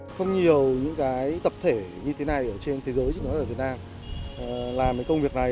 không nhiều những tập thể như thế này ở trên thế giới như nó ở việt nam làm công việc này